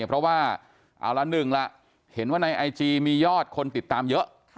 เพราะว่าเอาละหนึ่งล่ะเห็นว่าในไอจีมียอดคนติดตามเยอะ